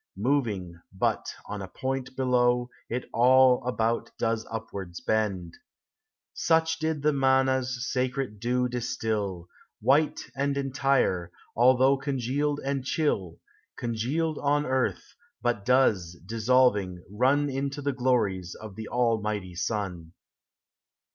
Moving but on a point below. It all about does upwards bend. Such did the manna's sacred dew distil, White and entire, although congealed and chill,— Congealed on earth, but does, dissolving, run Into the glories of the Almighty sun.